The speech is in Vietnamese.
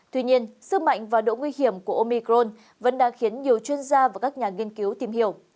tuy nhiên sức mạnh và độ nguy hiểm của omicron vẫn đang khiến nhiều chuyên gia và các nhà nghiên cứu tìm hiểu